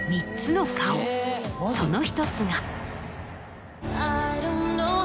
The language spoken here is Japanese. その１つが。